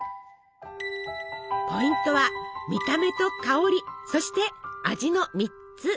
ポイントは見た目と香りそして味の３つ。